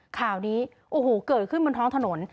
ข่าวนี้โอ้โหเกิดขึ้นบนท้องถนน